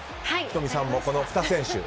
仁美さんもこの２選手。